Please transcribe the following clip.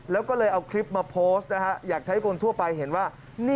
แล้วก็เลยเอาคลิปมาโพสต์นะฮะอยากใช้คนทั่วไปเห็นว่า